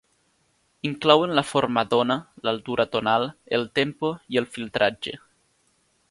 Inclouen la forma d'ona, l'altura tonal, el tempo i el filtratge.